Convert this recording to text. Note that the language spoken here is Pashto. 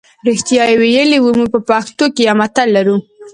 رښتیا یې ویلي وو موږ په پښتو کې یو متل لرو.